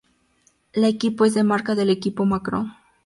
La equipo es de marca del equipo Macron.